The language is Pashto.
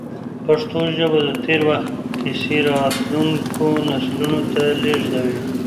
پښتو ژبه د تېر وخت کیسې راتلونکو نسلونو ته لېږدوي.